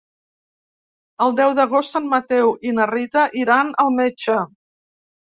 El deu d'agost en Mateu i na Rita iran al metge.